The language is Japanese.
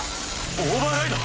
オーバーライド？